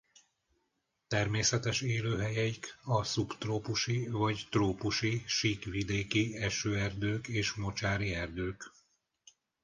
Természetes élőhelyeik a szubtrópusi vagy trópusi síkvidéki esőerdők és mocsári erdők.